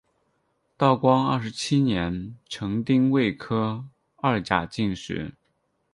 道光二十七年成丁未科二甲进士。